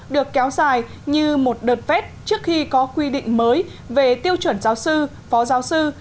được kéo dài như một đợt vét trước khi có quy định mới về tiêu chuẩn giáo sư phó giáo sư